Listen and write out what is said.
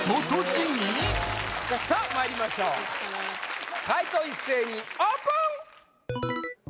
さあまいりましょう解答一斉にオープン！